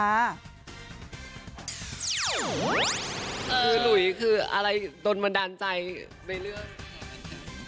หลุยคืออะไรโดนมาดันใจในเรื่อง